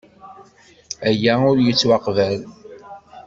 Aya ur yettwaqbal.